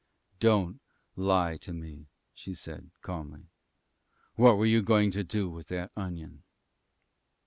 "Don't lie to me," she said, calmly. "What were you going to do with that onion?"